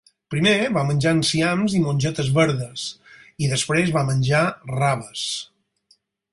Primer va menjar enciams i mongetes verdes i després va menjar raves.